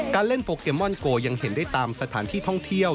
เล่นโปเกมมอนโกยังเห็นได้ตามสถานที่ท่องเที่ยว